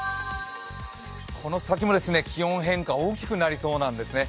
この先も気温変化大きくなりそうなんですね。